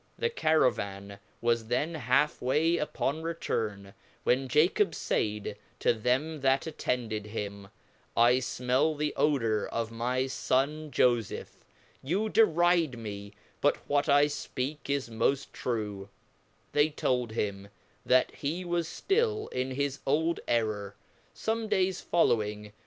The Caravan was then half way upon return, when "J acob faid to them that attended him, I (rnell the odor of my fon fofeph ; you deride me, but what I fpeak is moft true; They told him, that he was ftill in his old error; fome days following